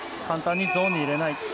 簡単にゾーンに入れない。